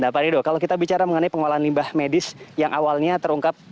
nah pak rido kalau kita bicara mengenai pengolahan limbah medis yang awalnya terungkap